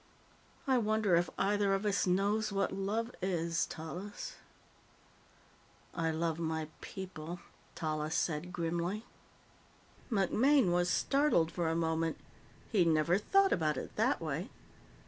"I wonder if either of us knows what love is, Tallis?" "I love my people," Tallis said grimly. MacMaine was startled for a moment. He'd never thought about it that way.